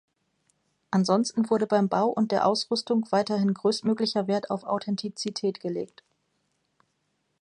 Ansonsten wurde beim Bau und der Ausrüstung weiterhin größtmöglicher Wert auf Authentizität gelegt.